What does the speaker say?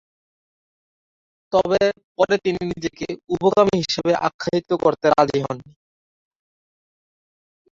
তবে পরে তিনি নিজেকে উভকামী হিসাবে আখ্যায়িত করতে রাজি হননি।